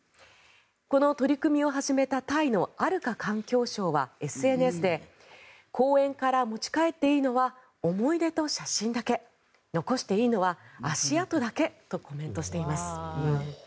この取り組みを始めたタイのアルカ環境相はＳＮＳで公園から持ち帰っていいのは思い出と写真だけ残していいのは足跡だけとコメントしています。